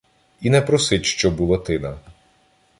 І не просить щоб у Латина